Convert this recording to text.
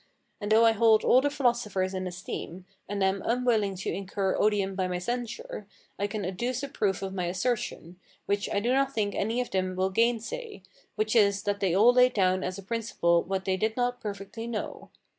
And though I hold all the philosophers in esteem, and am unwilling to incur odium by my censure, I can adduce a proof of my assertion, which I do not think any of them will gainsay, which is, that they all laid down as a principle what they did not perfectly know.